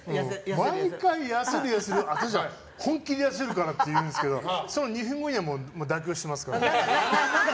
毎回、痩せる痩せる本気で痩せるからって言うんですけどその２分後には妥協してますから。